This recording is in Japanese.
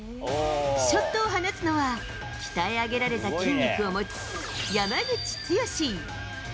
ショットを放つのは、鍛え上げられた筋肉を持つ、山口剛史。